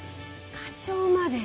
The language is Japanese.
課長まで。